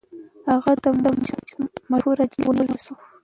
هغه د مچ مشهور جیل کې ونیول شو.